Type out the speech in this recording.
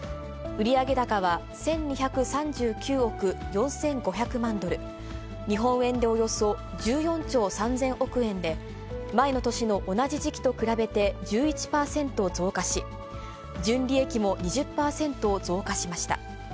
売上高は１２３９億４５００万ドル、日本円でおよそ１４兆３０００億円で、前の年の同じ時期と比べて１１％増加し、純利益も２０％増加しました。